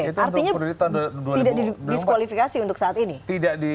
artinya tidak didiskualifikasi untuk saat ini